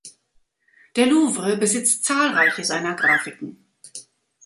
Der Louvre besitzt zahlreiche seiner Grafiken.